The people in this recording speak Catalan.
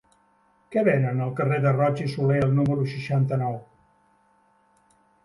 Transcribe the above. Què venen al carrer de Roig i Solé número seixanta-nou?